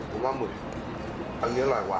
ผมว่าหมึกอันนี้อร่อยกว่า